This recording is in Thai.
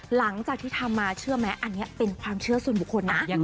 หลังจากที่ทำมาเชื่อไหมอันนี้เป็นความเชื่อส่วนบุคคลนะ